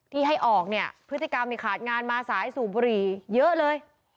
ที่ให้ออกเนี่ยพฤติกรรมขาดงานมาสายสูบบุหรี่เยอะเลย